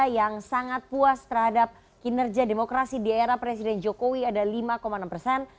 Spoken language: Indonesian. yang sangat puas terhadap kinerja demokrasi di era presiden jokowi ada lima enam persen